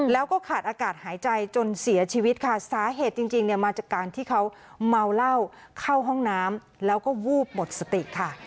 แล้วก็ขาดอากาศหายใจจนเสียชีวิตค่ะสาเหตุจริงเนี่ยมาจากการที่เขาเมาเหล้าเข้าห้องน้ำแล้วก็วูบหมดสติค่ะ